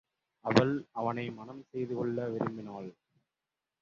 அவள் அவனை மணம் செய்து கொள்ள விரும்பினாள்.